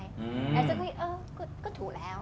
แอลซี่ก็คิดเออก็ถูกแล้ว